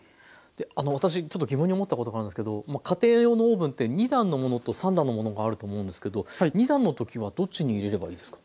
私ちょっと疑問に思ったことがあるんですけど家庭用のオーブンって２段のものと３段のものがあると思うんですけど２段のときはどっちに入れればいいですか？